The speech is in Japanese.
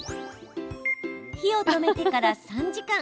火を止めてから３時間。